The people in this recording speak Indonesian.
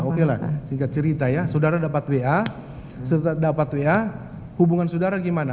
oke lah singkat cerita ya saudara dapat wa hubungan saudara gimana